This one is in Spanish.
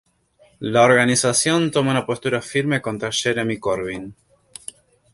La organización toma una postura firme contra Jeremy Corbyn.